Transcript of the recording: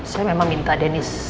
saya memang minta dennis